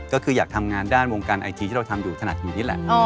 ก็คืออยากทำงานด้านวงการไอทีที่เราทำอยู่ถนัดอยู่นี่แหละ